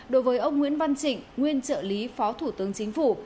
đối với ông nguyễn văn trịnh nguyên trợ lý phó thủ tướng chính phủ